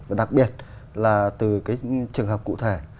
và đặc biệt là từ cái trường hợp cụ thể